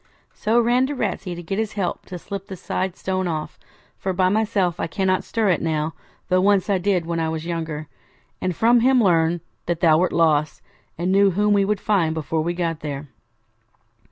So ran to Ratsey to get his help to slip the side stone off, for by myself I cannot stir it now, though once I did when I was younger; and from him learned that thou wert lost, and knew whom we should find before we got there.'